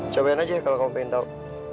cobain aja kalo kamu pengen tau